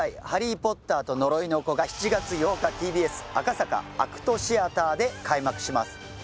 「ハリー・ポッターと呪いの子」が７月８日ＴＢＳ赤坂ＡＣＴシアターで開幕します